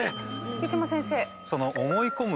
木島先生。